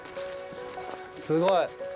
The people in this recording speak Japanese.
すごい。